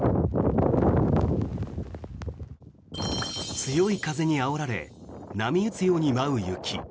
強い風にあおられ波打つように舞う雪。